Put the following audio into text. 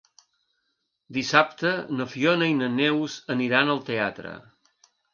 Dissabte na Fiona i na Neus aniran al teatre.